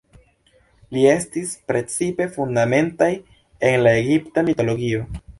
Ili estis precipe fundamentaj en la egipta mitologio.